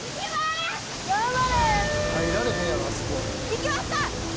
・いきました！